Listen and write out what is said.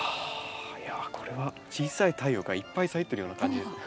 あいやこれは小さい太陽がいっぱい咲いてるような感じです。